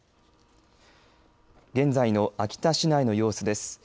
現在の秋田市内の様子です。